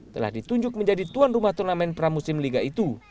telah ditunjuk menjadi tuan rumah turnamen pramusim liga itu